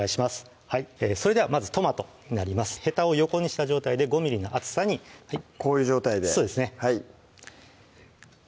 それではまずトマトになりますへたを横にした状態で５ｍｍの厚さにこういう状態でそうですね